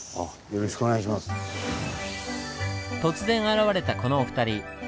突然現れたこのお二人